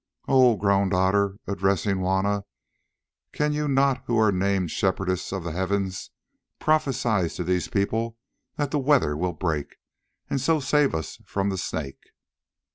"Oh!" groaned Otter, addressing Juanna, "cannot you, who are named Shepherdess of the Heavens, prophesy to these people that the weather will break, and so save us from the Snake?"